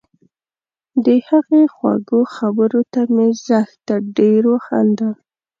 د هغې خوږو خبرو ته مې زښت ډېر وخندل